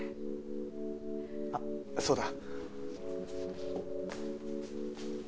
あっそうだ。